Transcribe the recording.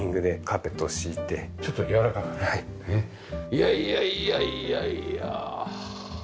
いやいやいやいやいや！